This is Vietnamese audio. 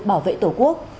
bảo vệ tổ quốc